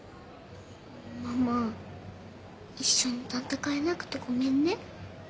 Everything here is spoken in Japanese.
ママ一緒に闘えなくてごめんね。